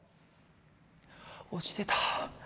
落ちてた。